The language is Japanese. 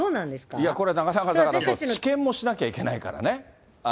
いや、これはなかなか、治験もしなきゃいけないからね。